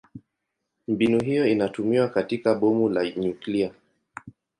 Mbinu hiyo inatumiwa katika bomu la nyuklia.